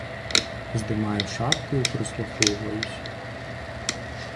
Здымаю шапку і прыслухоўваюся.